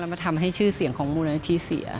มันทำให้ชื่อเสียงของมูลนิธิเสีย